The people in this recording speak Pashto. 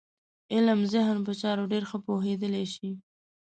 علم ذهن په چارو ډېر ښه پوهېدلی شي.